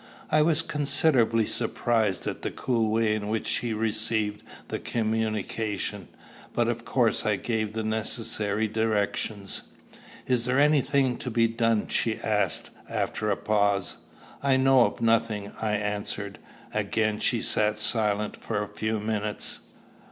I was considerably surprised at the cool way in which she received the communication, but of course I gave the necessary directions. "Is there any thing to be done?" she asked, after a pause. "I know of nothing," I answered. Again she sat silent for a few minutes.